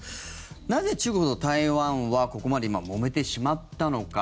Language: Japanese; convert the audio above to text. なぜ、中国と台湾はここまで今もめてしまったのか。